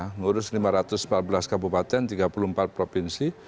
mengurus lima ratus empat belas kabupaten tiga puluh empat provinsi